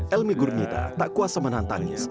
elmi gurnita tak kuasa menantangnya